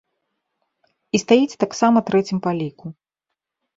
І стаіць таксама трэцім па ліку.